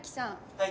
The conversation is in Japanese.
はい。